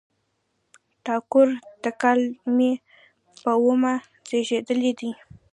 ټاګور د کال د مۍ په اوومه زېږېدلی دی.